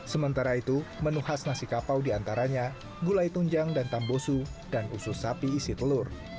sementara itu menu khas nasi kapau diantaranya gulai tunjang dan tambosu dan usus sapi isi telur